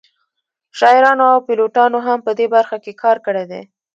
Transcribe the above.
شاعرانو او پیلوټانو هم په دې برخه کې کار کړی دی